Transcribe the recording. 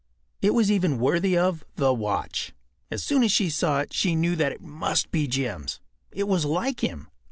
It was even worthy of The Watch. As soon as she saw it she knew that it must be Jim’s. It was like him.